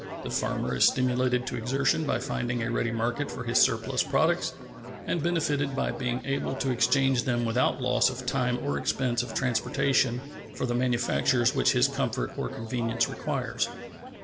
The farmer is stimulated to exertion by finding a ready market for his surplus products, and benefited by being able to exchange them without loss of time or expense of transportation for the manufactures which his comfort or convenience requires.